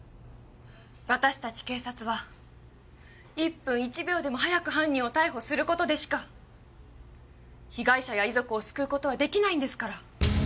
私たち警察は１分１秒でも早く犯人を逮捕する事でしか被害者や遺族を救う事は出来ないんですから。